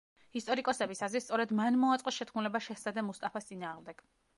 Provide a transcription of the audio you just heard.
ისტორიკოსების აზრით, სწორედ მან მოაწყო შეთქმულება შეჰზადე მუსტაფას წინააღმდეგ.